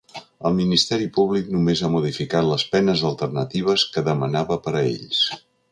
El ministeri públic només ha modificat les penes alternatives que demanava per a ells.